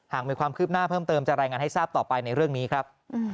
หากมีความคืบหน้าเพิ่มเติมจะรายงานให้ทราบต่อไปในเรื่องนี้ครับ